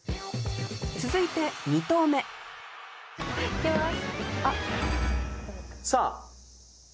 続いて２投目いきます！